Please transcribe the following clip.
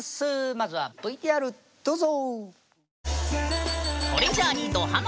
まずはＶＴＲどうぞ！